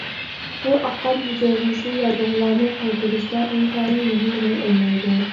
بۇ ئاققان ھۈجەيرىسى ياللۇغلارنى قايتۇرۇشتا ئىنتايىن مۇھىم رول ئوينايدۇ.